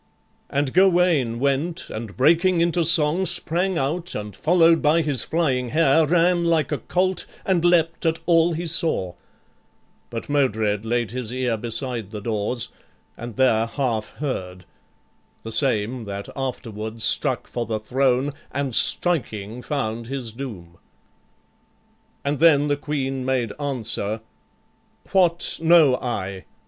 And Gawain went, and breaking into song Sprang out, and follow'd by his flying hair Ran like a colt, and leapt at all he saw: But Modred laid his ear beside the doors, And there half heard; the same that afterward Struck for the throne, and striking found his doom. And then the Queen made answer, "What know I?